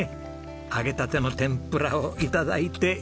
揚げたての天ぷらを頂いて一杯。